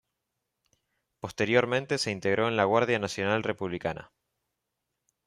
Posteriormente se integró en la Guardia Nacional Republicana.